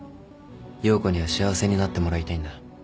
葉子には幸せになってもらいたいんだ